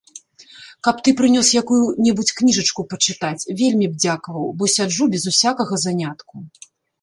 Каб ты прынёс якую-небудзь кніжачку пачытаць, вельмі б дзякаваў, бо сяджу без усякага занятку.